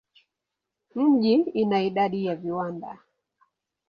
Mji ina idadi ya viwanda.